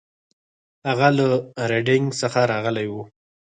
هغه له ریډینګ څخه راغلی و.